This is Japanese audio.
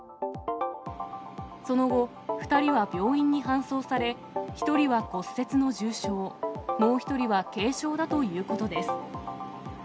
その後、２人は病院に搬送され、１人は骨折の重傷、もう１人は軽傷だということです。